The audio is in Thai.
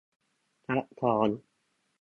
ซับซ้อน